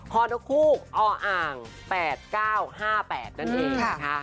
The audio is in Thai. คอนกรุกออ่าง๘๙๕๘นั่นเองค่ะ